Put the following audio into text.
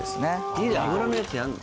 家で油のやつやるの？